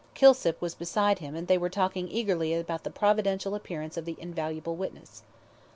Kilsip was beside him, and they were talking eagerly about the providential appearance of the invaluable witness.